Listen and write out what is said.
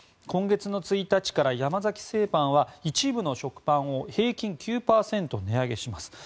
今月１日から山崎製パンは一部の食パンを平均９％値上げします。